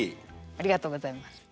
ありがとうございます。